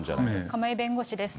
亀井弁護士です。